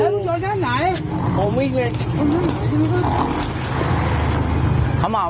มึงชวนข้างไหน